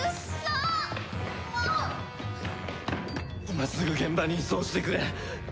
今すぐ現場に移送してくれ。